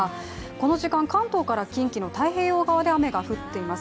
この時間、関東から近畿の太平洋側で雨が降ってます。